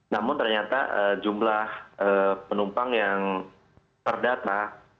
namun ternyata jumlah penumpang yang terdata